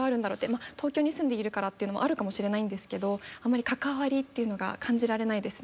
まあ東京に住んでいるからっていうのもあるかもしれないんですけどあんまり関わりっていうのが感じられないですね。